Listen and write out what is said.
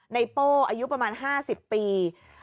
โป้อายุประมาณ๕๐ปี